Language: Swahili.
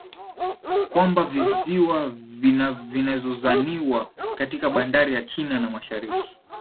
kwamba viziwa vinazozaniwa kati ya bandari ya china na mashariki